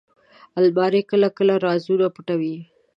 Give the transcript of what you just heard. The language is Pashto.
الماري کله کله رازونه پټوي